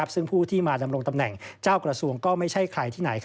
ซึ่งผู้ที่มาดำรงตำแหน่งเจ้ากระทรวงก็ไม่ใช่ใครที่ไหน